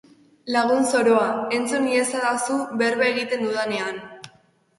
Lagun zoroa, entzun iezadazu berba egiten dudanean.